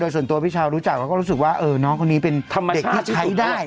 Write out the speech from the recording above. ส่วนตัวพี่ชาวรู้จักแล้วก็รู้สึกว่าน้องคนนี้เป็นเด็กที่ใช้ได้